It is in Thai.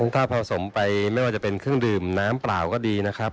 ถ้าผสมไปไม่ว่าจะเป็นเครื่องดื่มน้ำเปล่าก็ดีนะครับ